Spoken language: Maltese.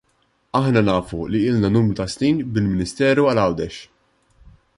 Aħna nafu li ilna numru ta' snin bil-Ministeru għal Għawdex.